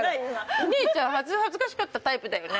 お姉ちゃん恥ずかしかったタイプだよね？